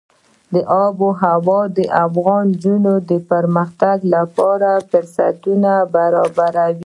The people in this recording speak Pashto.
آب وهوا د افغان نجونو د پرمختګ لپاره فرصتونه برابروي.